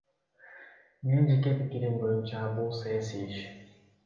Менин жеке пикирим боюнча, бул саясий иш.